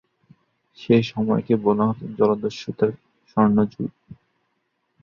সে সময়কে বলা হত জলদস্যুতার স্বর্ণযুগ।